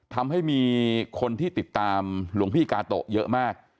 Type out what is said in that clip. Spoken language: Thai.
ทำให้มีคนที่ติดตามหลวงพี่กาโตะเยอะมาก